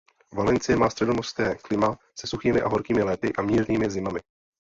Valencia má středomořské klima se suchými a horkými léty a mírnými zimami.